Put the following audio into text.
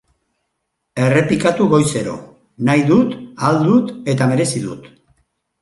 Errepikatu goizero: Nahi dut, ahal dut eta merezi dut.